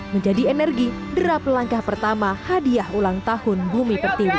menjadi energi derap langkah pertama hadiah ulang tahun bumi pertiwi